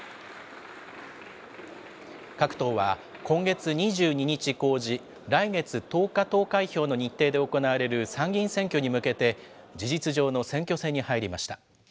各党は今月２２日公示、来月１０日投開票の日程で行われる参議院選挙に向けて、事実上の選挙戦に入りました。